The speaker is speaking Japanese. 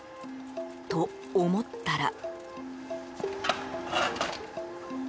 と、思ったら。